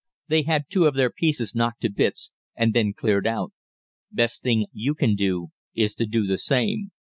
They had two of their pieces knocked to bits, and then cleared out. Best thing you can do is to do the same.'